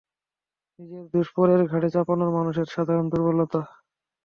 নিজের দোষ পরের ঘাড়ে চাপানোটা মানুষের সাধারণ দুর্বলতা।